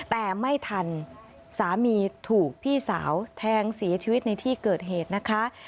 แต่ไม่ทันสามีถูกพี่สาวแทงเสียชีวิตในที่เกิดเหตุนะคะ